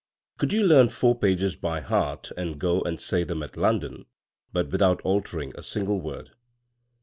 Could you learn four pages by heart and go and say them at London, but without altering a single word